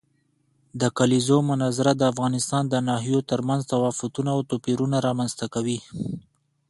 د کلیزو منظره د افغانستان د ناحیو ترمنځ تفاوتونه او توپیرونه رامنځ ته کوي.